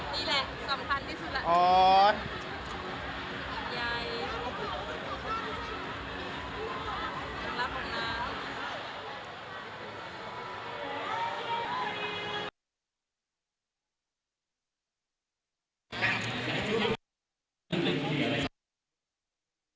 นี่แหละสำคัญที่สุด